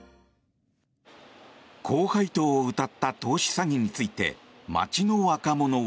高配当をうたった投資詐欺について街の若者は。